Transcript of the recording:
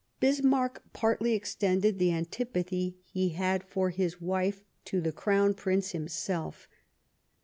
Bismarck partly extended the antipathy he had for his wife to the Crown Prince himself.